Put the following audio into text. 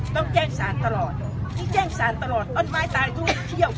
ต้องแจ้งสารตลอดนี่แจ้งสารตลอดต้นไม้ตายทุกเที่ยว